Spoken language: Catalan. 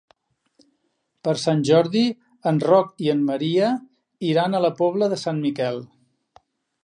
Per Sant Jordi en Roc i en Maria iran a la Pobla de Sant Miquel.